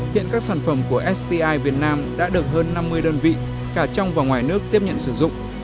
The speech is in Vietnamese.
hiện các sản phẩm của sti việt nam đã được hơn năm mươi đơn vị cả trong và ngoài nước tiếp nhận sử dụng